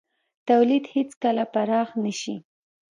تولید هېڅکله پراخ نه شي.